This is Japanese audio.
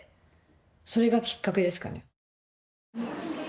それがきっかけですかね。